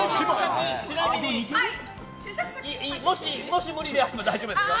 ちなみに、もし無理であれば大丈夫ですよ。